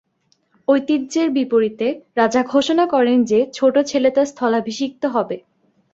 ঐতিহ্যের বিপরীতে, রাজা ঘোষণা করেন যে ছোট ছেলে তার স্থলাভিষিক্ত হবে।